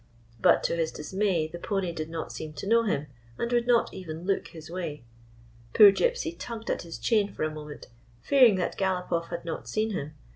But, to his dismay, the pony did not seem to know him, and would not even look his way. Poor Gypsy tugged at his chain for a moment, fearing that Galopoff had not seen him.